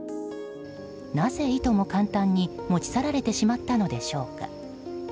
なぜ、いとも簡単に持ち去られてしまったのでしょうか。